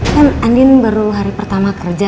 kan andin baru hari pertama kerja